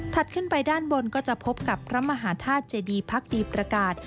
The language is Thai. ขึ้นไปด้านบนก็จะพบกับพระมหาธาตุเจดีพักดีประกาศ